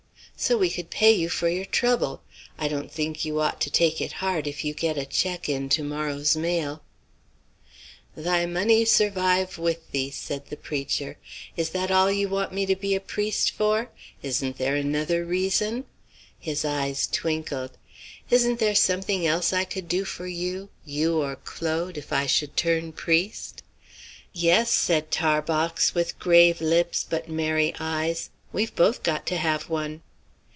"So we could pay you for your trouble. I don't think you ought to take it hard if you get a check in to morrow's mail." "Thy money survive with thee," said the preacher. "Is that all you want me to be a priest for? Isn't there another reason?" His eyes twinkled. "Isn't there something else I could do for you you or Claude if I should turn priest?" "Yes," said Tarbox, with grave lips, but merry eyes; "we've both got to have one."